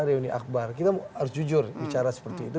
kita harus jujur bicara seperti itu